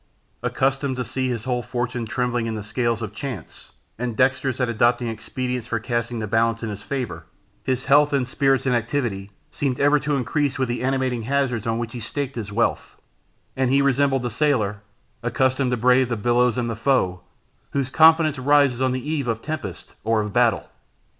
Accustomed to see his whole fortune trembling in the scales of chance, and dexterous at adopting expedients for casting the balance in his favour, his health and spirits and activity seemed ever to increase with the animating hazards on which he staked his wealth; and he resembled a sailor, accustomed to brave the billows and the foe, whose confidence rises on the eve of tempest or of battle.